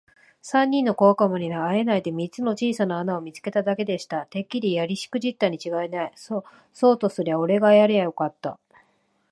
三人の小悪魔にはあえないで、三つの小さな穴を見つけただけでした。「てっきりやりしくじったにちがいない。そうとすりゃおれがやりゃよかった。」